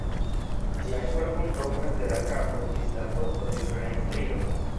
Ĝian korpon kovras de la kapo ĝis la vosto helbrunaj strioj.